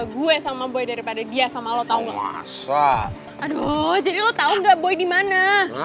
gue sama gue daripada dia sama lo tau nggak jadi lo tau nggak boy dimana